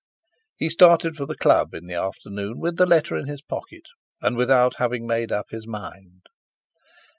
He started for the Club in the afternoon with the letter in his pocket, and without having made up his mind.